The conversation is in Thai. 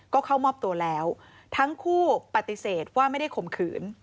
ก็เข้ามอบตัวแล้วทั้งคู่ปฏิเสธว่าไม่ได้ข่มขืน